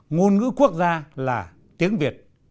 ba ngôn ngữ quốc gia là tiếng việt